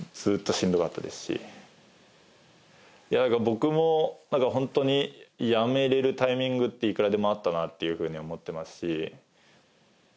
僕も本当に辞められるタイミングっていくらでもあったなっていう風に思ってますし。